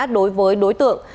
đối với đối tượng